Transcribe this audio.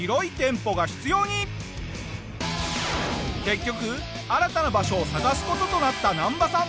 結局新たな場所を探す事となったナンバさん。